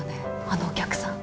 あのお客さん。